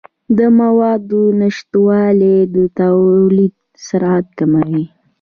د موادو نشتوالی د تولید سرعت کموي.